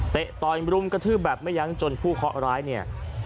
ต่อยรุมกระทืบแบบไม่ยั้งจนผู้เคาะร้ายเนี่ย